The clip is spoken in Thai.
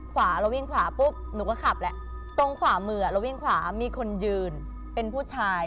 ขวาเราวิ่งขวาปุ๊บหนูก็ขับแล้วตรงขวามือเราวิ่งขวามีคนยืนเป็นผู้ชาย